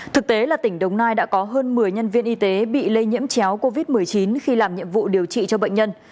thực tế là tỉnh đồng nai đã có hơn một mươi nhân viên y tế bị lây nhiễm chéo covid một mươi chín khi làm nhiệm vụ điều trị cho bệnh nhân